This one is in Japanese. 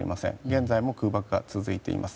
現在も空爆が続いています。